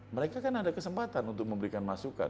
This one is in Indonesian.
mereka kan ada kesempatan untuk memberikan masukan